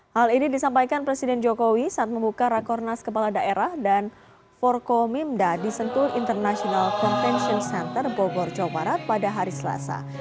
hal ini disampaikan presiden jokowi saat membuka rakornas kepala daerah dan forkomimda di sentul international convention center bogor jawa barat pada hari selasa